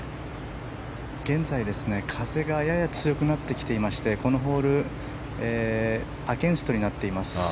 現在、風がやや強くなっていましてこのホールアゲンストになっています。